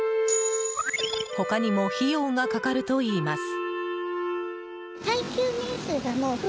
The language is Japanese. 他にも費用がかかるといいます。